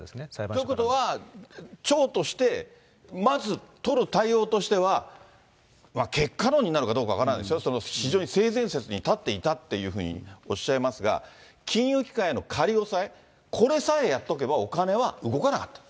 ということは、町としてまず取る対応としては、結果論になるか分からないですよ、非常に性善説に立っていたっていうふうにおっしゃいますが、金融機関への仮押さえ、これさえやっとけばお金は動かなかったと。